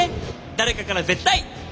誰かから絶対！